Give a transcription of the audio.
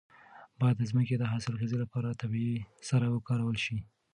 باید د ځمکې د حاصلخیزۍ لپاره طبیعي سره وکارول شي.